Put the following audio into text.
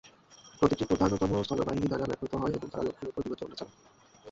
এটি প্রধানত স্থলবাহিনী দ্বারা ব্যবহৃত হয় যখন তারা লক্ষ্যের উপর বিমান হামলা চালায়।